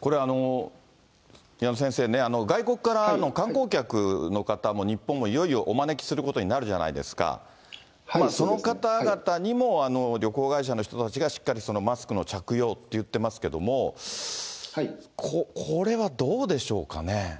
これ、矢野先生ね、外国からの観光客の方も、日本もいよいよお招きすることになるじゃないですか、その方々にも旅行会社の人たちがしっかりマスクの着用って言ってますけども、これはどうでしょうかね。